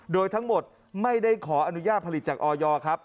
โดยทั้งหมดไม่ได้ขออนุญาตผลิตจากออยครับ